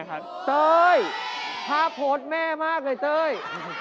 พระภพแม่มากเลยเต้ย